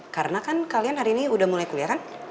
karena kan kalian hari ini udah mulai kuliah kan